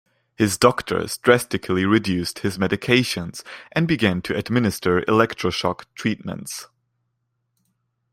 His doctors drastically reduced his medications and began to administer electroshock treatments.